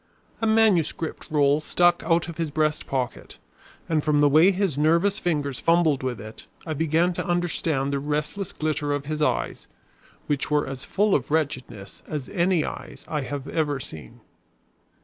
A manuscript roll stuck out of his breast pocket, and from the way his nervous fingers fumbled with it, I began to understand the restless glitter of his eyes, which were as full of wretchedness as any eyes I have ever seen.